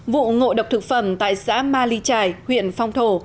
vụ ngộ độc thực phẩm tại xã ma ly trài huyện phong thổ